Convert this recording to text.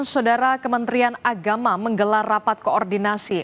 saudara kementerian agama menggelar rapat koordinasi